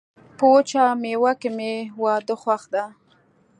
په وچه میوه کي مي واده خوښ ده.